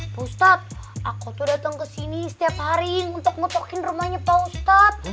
pak mustaq aku tuh datang ke sini setiap hari untuk ngetokin rumahnya pak mustaq